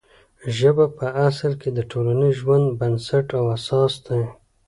ژبه په اصل کې د ټولنیز ژوند بنسټ او اساس دی.